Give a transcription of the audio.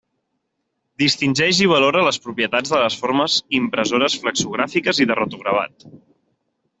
Distingeix i valora les propietats de les formes impressores flexogràfiques i de rotogravat.